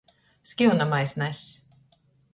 Skiunamais nazs.